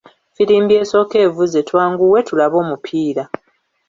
Ffirimbi asooka evuze, twanguwe tulabe omupiira.